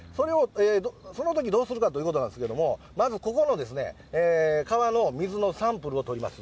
そのときどうするかということなんですけど、まずここの川の水のサンプルを採ります。